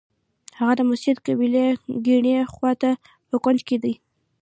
هغه د مسجد قبلې کیڼې خوا ته په کونج کې دی.